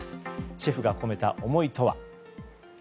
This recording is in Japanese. シェフが込めた思いとは。